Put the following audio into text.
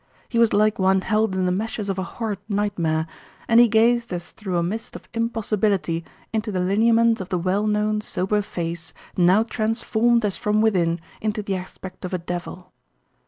He was like one held in the meshes of a horrid nightmare, and he gazed as through a mist of impossibility into the lineaments of the well known, sober face now transformed as from within into the aspect of a devil.